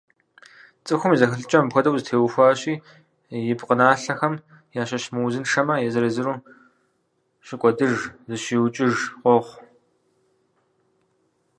ЦӀыхум и зэхэлъыкӀэр апхуэдэу зэтеухуащи, и пкъыналъэхэм ящыщ мыузыншэмэ, езыр-езыру щыкӀуэдыж, «зыщиукӀыж» къохъу.